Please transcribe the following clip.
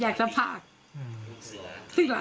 หนูก็พูดอย่างงี้หนูก็พูดอย่างงี้